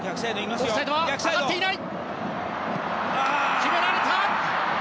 決められた！